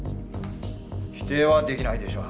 否定はできないでしょう。